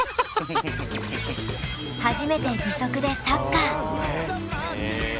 初めて義足でサッカー。